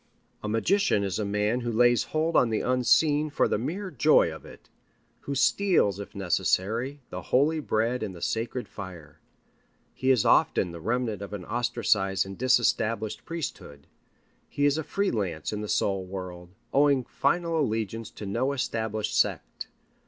A magician is a man who lays hold on the unseen for the mere joy of it, who steals, if necessary, the holy bread and the sacred fire. He is often of the remnant of an ostracized and disestablished priesthood. He is a free lance in the soul world, owing final allegiance to no established sect.